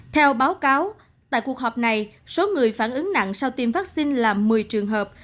theo báo cáo tại cuộc họp này số người phản ứng nặng sau tiêm vaccine là một mươi trường hợp